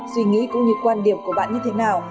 suy nghĩ cũng như quan điểm của bạn như thế nào